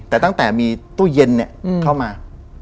แต่ตั้งแต่มีตู้เย็นเข้ามา